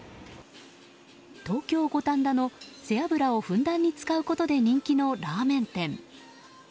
東京・五反田の背脂をふんだんに使うことで人気のラーメン店。